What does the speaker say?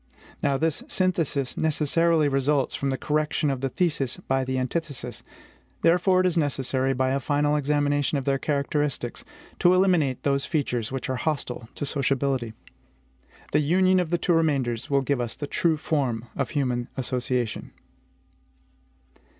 Now, this synthesis necessarily results from the correction of the thesis by the antithesis. Therefore it is necessary, by a final examination of their characteristics, to eliminate those features which are hostile to sociability. The union of the two remainders will give us the true form of human association.